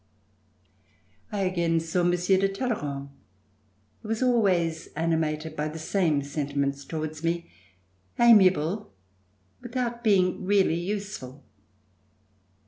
I again saw Monsieur de Talleyrand, who was al ways animated by the same sentiments towards me: amiable without being really useful.